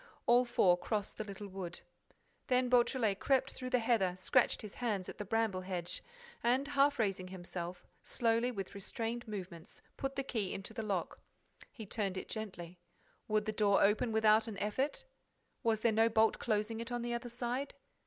All four crossed the little wood. Then Beautrelet crept through the heather, scratched his hands at the bramble hedge and, half raising himself, slowly, with restrained movements, put the key into the lock. He turned it gently. Would the door open without an effort? Was there no bolt closing it on the other side?